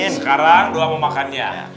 sekarang doa mau makannya